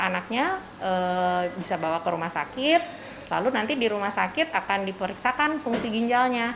anaknya bisa bawa ke rumah sakit lalu nanti di rumah sakit akan diperiksakan fungsi ginjalnya